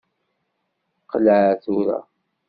Qleɛ tura.